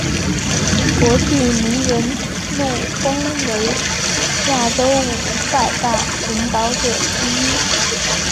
国际名人录封为亚洲五百大领导者之一。